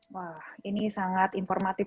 wah ini sangat informatif